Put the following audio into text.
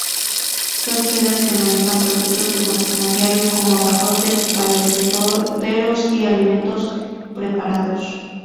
Son tiendas que manejan productos de consumo diario como Abarrotes, Perecederos y Alimentos Preparados.